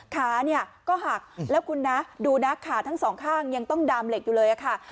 ขาเนี่ยก็หักแล้วคุณนะดูนะขาทั้งสองข้างยังต้องดามเหล็กอยู่เลยค่ะ